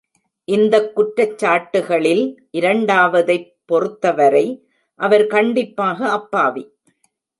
இந்தக் குற்றச்சாட்டுகளில் இரண்டாவதைப் பொறுத்தவரை, அவர் கண்டிப்பாக அப்பாவி.